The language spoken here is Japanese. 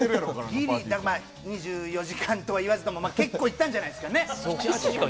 ギリ、２４時間とは言わずとも、結構いったんじゃないですかね。